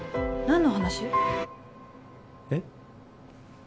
何の話？えっ？